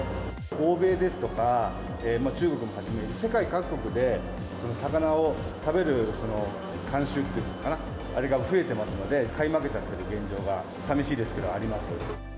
欧米ですとか、中国をはじめ、世界各国で、魚を食べる慣習というのかな、増えてますので、買い負けちゃっている現状が、さみしいですけど、あります。